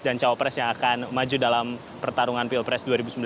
dan capres yang akan maju dalam pertarungan piala pres dua ribu sembilan belas